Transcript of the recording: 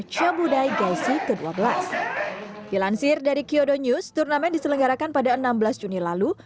syabudai gaise ke dua belas dilansir dari kiodo news turnamen diselenggarakan pada enam belas juni lalu